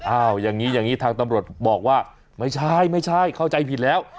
อย่างนี้อย่างนี้ทางตำรวจบอกว่าไม่ใช่ไม่ใช่เข้าใจผิดแล้ว